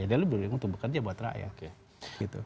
dia lebih untuk bekerja buat rakyat